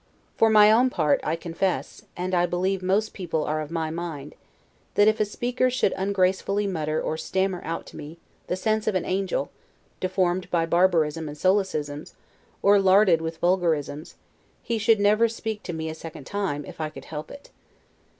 For my own part, I confess (and I believe most people are of my mind) that if a speaker should ungracefully mutter or stammer out to me the sense of an angel, deformed by barbarism and solecisms, or larded with vulgarisms, he should never speak to me a second time, if I could help it.